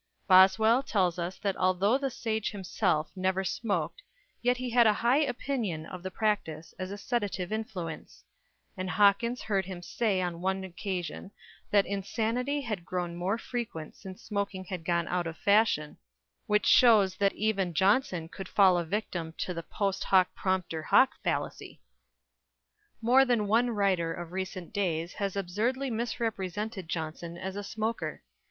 Boswell tells us that although the sage himself never smoked, yet he had a high opinion of the practice as a sedative influence; and Hawkins heard him say on one occasion that insanity had grown more frequent since smoking had gone out of fashion, which shows that even Johnson could fall a victim to the post hoc propter hoc fallacy. More than one writer of recent days has absurdly misrepresented Johnson as a smoker.